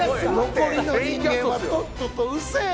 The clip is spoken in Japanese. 残りの人間はとっととうせえ！